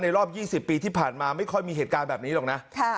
รอบ๒๐ปีที่ผ่านมาไม่ค่อยมีเหตุการณ์แบบนี้หรอกนะ